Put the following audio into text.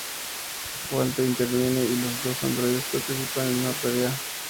Walter interviene y los dos androides participan en una pelea.